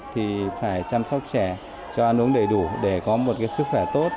thì phải chăm sóc trẻ cho ăn uống đầy đủ để có một sức khỏe tốt